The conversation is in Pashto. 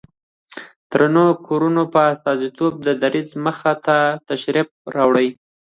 د درنو کورنيو په استازيتوب د دريځ مخې ته تشریف راوړي